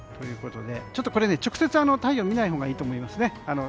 直接太陽を見ないほうがいいと思います。